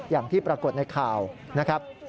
อย่างที่ปรากฏในข่าวนะครับ